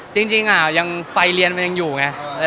จริงยังไฟเรียนมันยังอยู่ไง